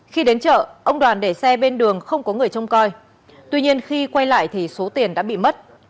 khi đến chợ ông đoàn để xe bên đường không có người trông coi tuy nhiên khi quay lại thì số tiền đã bị mất